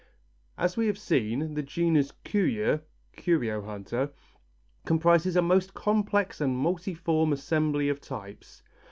As we have seen, the genus curieux (curio hunter) comprises a most complex and multiform assembly of types.